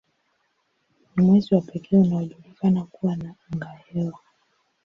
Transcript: Ni mwezi wa pekee unaojulikana kuwa na angahewa.